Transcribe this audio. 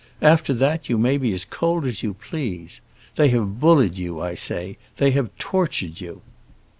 After that, you may be as cold as you please! They have bullied you, I say; they have tortured you.